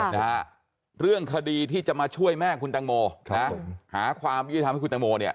เป็นเรื่องขดีที่จะมาช่วยแม่คุณตังโมนะฮะหาความวิวทางของคุณตังโมนี่